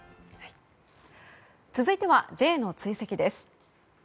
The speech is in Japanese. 続いてはＪの追跡です。